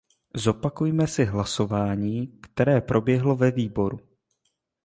Zopakujme si hlasování, které proběhlo ve výboru.